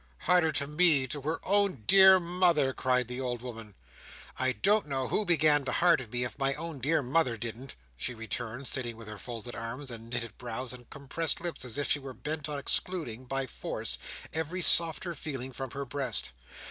"Harder to me! To her own dear mother!" cried the old woman "I don't know who began to harden me, if my own dear mother didn't," she returned, sitting with her folded arms, and knitted brows, and compressed lips as if she were bent on excluding, by force, every softer feeling from her breast.